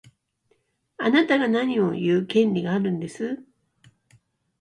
あなたが何を言う権利があるんです。